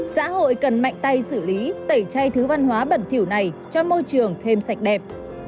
xã hội cần mạnh tay xử lý tẩy chay thứ văn hóa bẩn thiểu này cho môi trường thêm sạch đẹp